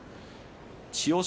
千代翔